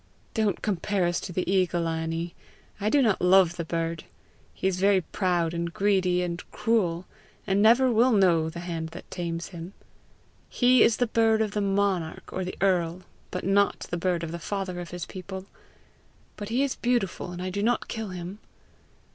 "Don't compare us to the eagle, Annie. I do not love the bird. He is very proud and greedy and cruel, and never will know the hand that tames him. He is the bird of the monarch or the earl, not the bird of the father of his people. But he is beautiful, and I do not kill him."